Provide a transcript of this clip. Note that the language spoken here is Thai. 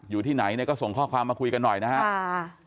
อยู่ที่ไหนเนี่ยก็ส่งข้อความมาคุยกันหน่อยนะครับ